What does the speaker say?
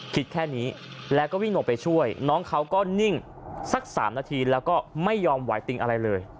คิดแค่นี้แล้วก็วิ่งลงไปช่วยน้องเขาก็นิ่งสัก๓นาทีแล้วก็ไม่ยอมไหวติงอะไรเลย